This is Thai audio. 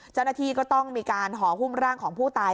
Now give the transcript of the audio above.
เจ้าหน้าที่ก็ต้องมีการห่อหุ้มร่างของผู้ตาย